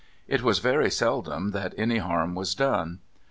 It was very seldom that any harm was done.